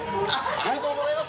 ありがとうございます！